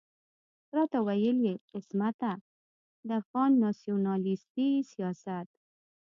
راته ويل يې عصمته د افغان ناسيوناليستي سياست.